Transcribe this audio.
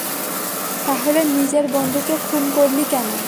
তাহলে নিজের বন্ধুকে খুন করলি কেন?